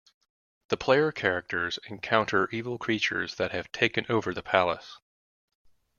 The player characters encounter evil creatures that have taken over the palace.